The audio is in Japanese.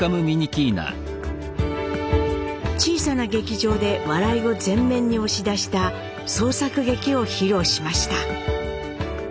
小さな劇場で笑いを前面に押し出した創作劇を披露しました。